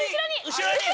後ろに！